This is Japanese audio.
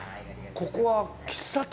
ここは喫茶店？